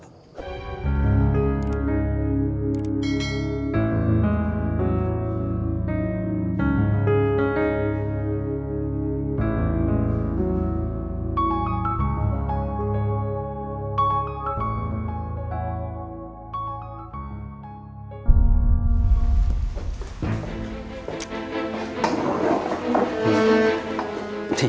tiga hari ke depan